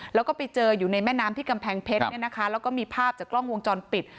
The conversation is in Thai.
แล้วก็ไปเจออยู่ในแม่น้ำที่กำแพงเพชรเนี่ยนะคะแล้วก็มีภาพจากกล้องวงจรปิด